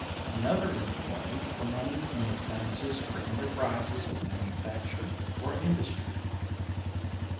Another employment for money in advances for enterprises of manufacture or industry.